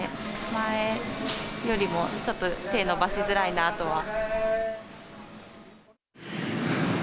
前よりもちょっと手、伸ばしづらいなとは。